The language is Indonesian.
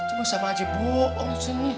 itu sama aja bohong